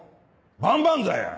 万々歳や！